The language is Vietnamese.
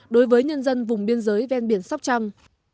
đối với nhân dân vùng biên giới ven biển sóc trăng